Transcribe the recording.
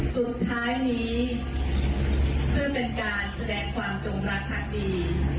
สุดท้ายนี้เพื่อเป็นการแสดงความจงรักภักดี